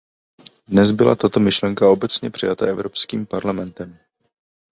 Dnes byla tato myšlenka obecně přijata Evropským parlamentem.